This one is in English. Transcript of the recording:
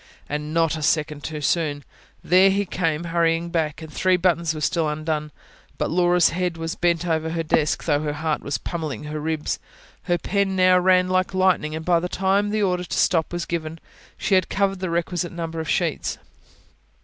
And not a second too soon. There he came, hurrying back. And three buttons were still undone. But Laura's head was bent over her desk: though her heart was pummelling her ribs, her pen now ran like lightning; and by the time the order to stop was given, she had covered the requisite number of sheets.